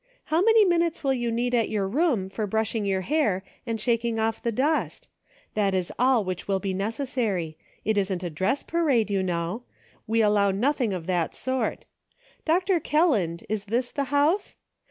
How many minutes will you need at your room for brushing your hair, and shaking off the dust } That is all which will be necessary. It isn't a dress parade, you know ; we allow nothing of that sort. Dr. Kelland, is this the house